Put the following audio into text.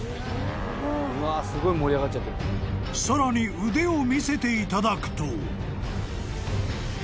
［さらに腕を見せていただくと］